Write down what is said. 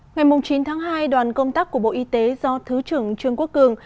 ngày chín tháng hai đoàn công tác của bộ y tế do thứ trưởng trương quốc cường